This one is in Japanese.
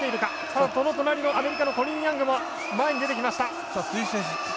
その隣のアメリカのコリーン・ヤングも前に出てきました。